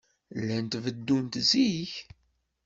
Llant beddunt zik.